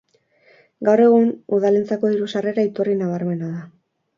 Gaur egun, udalentzako diru-sarrera iturri nabarmena da.